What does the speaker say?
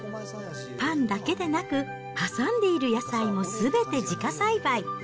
パンだけでなく、挟んでいる野菜もすべて自家栽培。